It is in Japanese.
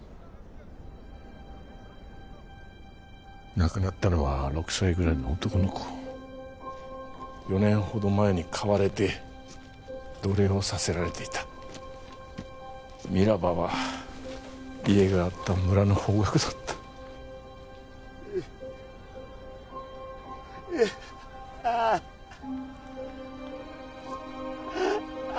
亡くなったのは６歳ぐらいの男の子４年ほど前に買われて奴隷をさせられていたミラバは家があった村の方角だったああ